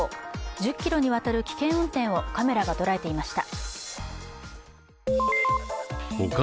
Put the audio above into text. １０ｋｍにわたる危険運転をカメラが捉えていました。